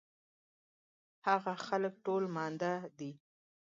هغه خلک ټول ماندۀ دي